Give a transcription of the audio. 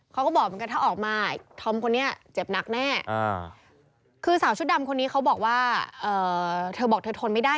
เขาก็บอกเหมือนกันถ้าออกมา